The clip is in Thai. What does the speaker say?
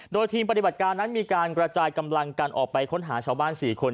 โดยทีมปฏิบัติการนั้นมีการกระจายกำลังกันออกไปค้นหาชาวบ้าน๔คน